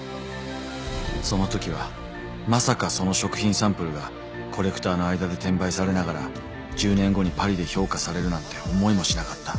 その時はまさかその食品サンプルがコレクターの間で転売されながら１０年後にパリで評価されるなんて思いもしなかった。